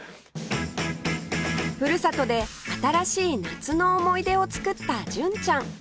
ふるさとで新しい夏の思い出を作った純ちゃん